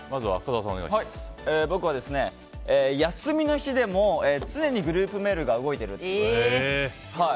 僕は、休みの日でも常にグループメールが動いてる。